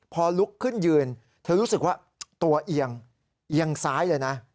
พอลุกขึ้นยืนเธอรู้สึกว่าตัวเอียงเอียงซ้ายเลยนะ